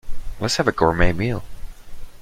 Let's have a Gourmet meal.